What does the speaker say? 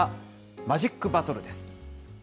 マジックバトルです。